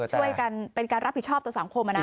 ช่วยกันเป็นการรับผิดชอบตัวสังคมนะ